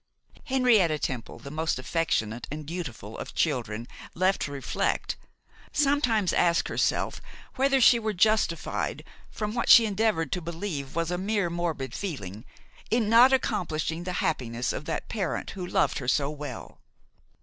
Henrietta Temple, the most affectionate and dutiful of children, left to reflect, sometimes asked herself whether she were justified, from what she endeavoured to believe was a mere morbid feeling, in not accomplishing the happiness of that parent who loved her so well?